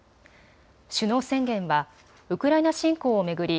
首脳宣言はウクライナ侵攻を巡り